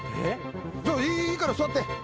いいから座って。